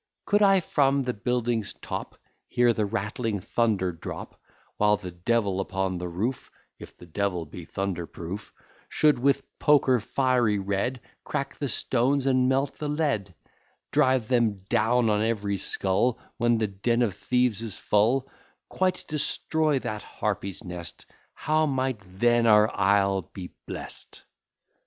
Could I from the building's top Hear the rattling thunder drop, While the devil upon the roof (If the devil be thunder proof) Should with poker fiery red Crack the stones, and melt the lead; Drive them down on every skull, When the den of thieves is full; Quite destroy that harpies' nest; How might then our isle be blest!